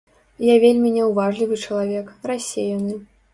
Я вельмі няўважлівы чалавек, рассеяны.